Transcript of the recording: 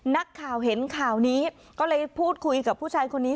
นักข่าวเห็นข่าวนี้ก็เลยพูดคุยกับผู้ชายคนนี้